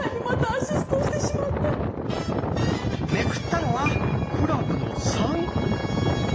めくったのは「クラブの３」。